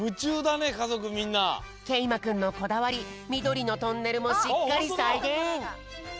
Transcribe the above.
けいまくんのこだわりみどりのトンネルもしっかりさいげん！